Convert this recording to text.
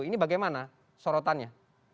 ini bagaimana sorotannya